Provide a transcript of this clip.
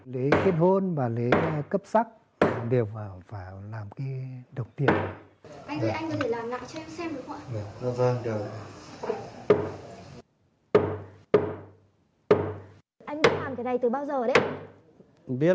lấy kết hôn và lấy cấp sắc đều vào làm cái đồng tiền này